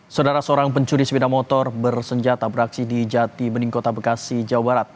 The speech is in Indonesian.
saudara seorang pencuri sepeda motor bersenjata beraksi di jati bening kota bekasi jawa barat